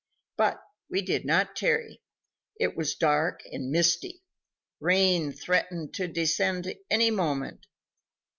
But we did not tarry. It was dark and misty; rain threatened to descend any moment.